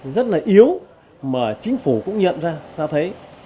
rất là yếu mà chính phủ cũng nhận ra ta thấy